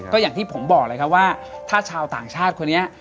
ก็อย่างที่ผมบอกเลยครับว่าถ้าชาวต่างชาติคนนี้